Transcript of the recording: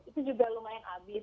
itu juga lumayan abis